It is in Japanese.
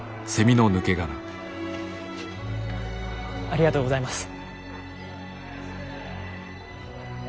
ありがとうございます。